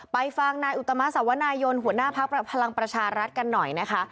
ไปฟังนายอุตมะสวนายนหัวหน้าพักพลังประชารัฐกันหน่อยนะคะ